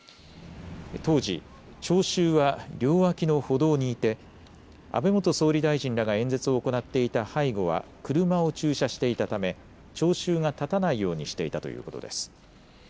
当時、聴衆は両脇の歩道にいて安倍元総理大臣らが演説を行っていた背後は車を駐車していたため聴衆が立たないようにしていたということです。